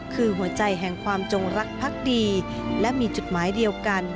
คือหัวใจแห่งความจงรักพักดีและมีจุดหมายเดียวกัน